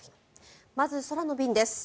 まず、空の便です。